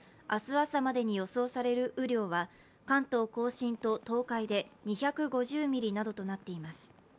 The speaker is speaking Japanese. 朝までに予想される雨量は関東甲信と東海で２５０ミリなどとなっています。